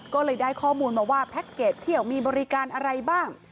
ก็เลยได้ข้อมูลมาว่าแพ็คเกจเที่ยวมีบริการอะไรบ้าง